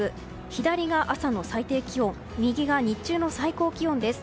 左が朝の最低気温右が日中の最高気温です。